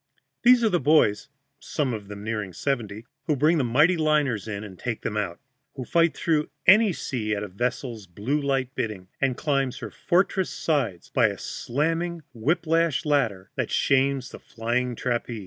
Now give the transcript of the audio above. These are the boys (some of them nearing seventy) who bring the mighty liners in and take them out, who fight through any sea at a vessel's blue light bidding, and climb her fortress sides by a slamming whip lash ladder that shames the flying trapeze.